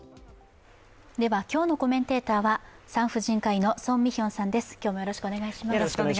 今日のコメンテーターは産婦人科医の宋美玄さんです。